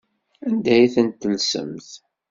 Anda ay ten-tellsemt?